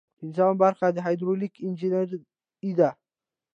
پنځمه برخه د هایدرولیک انجنیری ده.